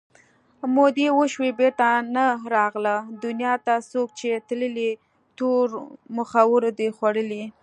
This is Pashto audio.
مودې وشوې بېرته نه راغله دنیا ته څوک چې تللي تورو مخاورو دي خوړلي